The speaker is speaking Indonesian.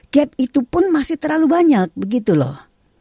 gap itu pun masih terlalu banyak begitu loh